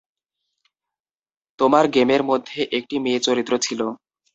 তোমার গেমের মধ্যে একটা মেয়ে চরিত্র ছিল।